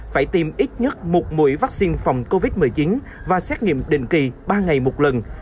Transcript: phải tiêm ít nhất một mũi vaccine phòng covid một mươi chín và xét nghiệm định kỳ ba ngày một lần